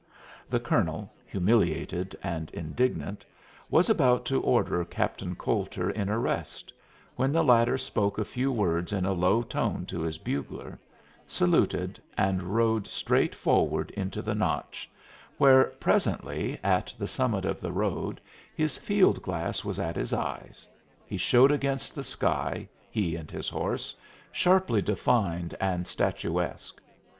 The colonel, humiliated and indignant, was about to order Captain Coulter in arrest, when the latter spoke a few words in a low tone to his bugler, saluted, and rode straight forward into the Notch, where, presently, at the summit of the road, his field glass at his eyes, he showed against the sky, he and his horse, sharply defined and statuesque.